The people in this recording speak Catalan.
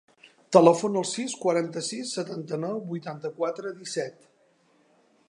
Telefona al sis, quaranta-sis, setanta-nou, vuitanta-quatre, disset.